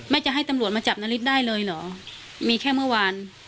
จะให้ตำรวจมาจับนาริสได้เลยเหรอมีแค่เมื่อวาน